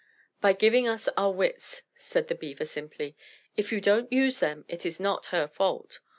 "By giving us our wits," said the Beaver simply. "If you don't use them it is not her fault.